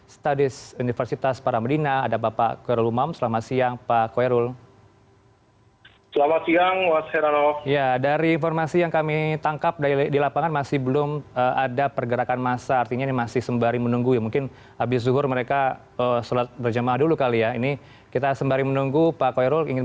stadis universitas paramedina ada bapak koirul umam selamat siang pak koirul